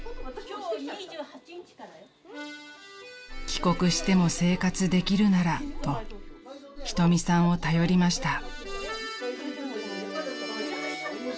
［帰国しても生活できるならと瞳さんを頼りました］